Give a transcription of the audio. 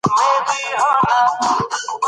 امنیت د پانګونې او کار فرصتونه زیاتوي.